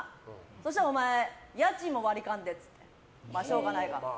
そしたらお前家賃も割り勘でってまあしょうがないか。